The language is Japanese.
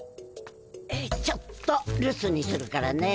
ちょっと留守にするからね。